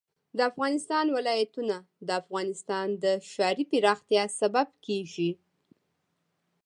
د افغانستان ولايتونه د افغانستان د ښاري پراختیا سبب کېږي.